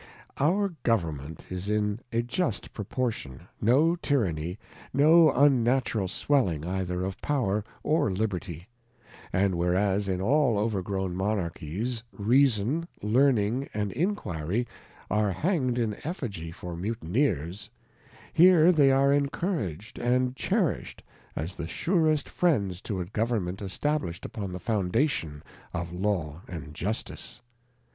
Our Government is in a just proportion, no Tympany, no un natural of a Trimmer. 63 natural swelling either of Power or Liberty ; and whereas in all overgrown Monarchies, Reason, Learning, and Enquiry are hangM in Effigy for Mutineers ; here they are encouraged and cherished as the surest Friends to a Government establish'd upon the Foundation of Law and Justice.